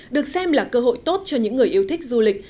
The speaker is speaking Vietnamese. được xem là cơ hội tốt cho những người yêu thích du lịch